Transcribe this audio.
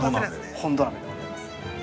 ◆本土鍋でございます。